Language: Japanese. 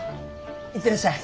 行ってらっしゃい。